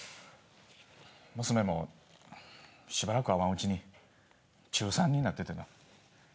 娘もしばらく会わんうちに中３になっててな。